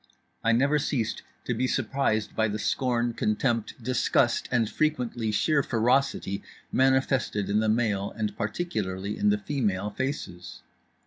I never ceased to be surprised by the scorn, contempt, disgust and frequently sheer ferocity manifested in the male and particularly in the female faces.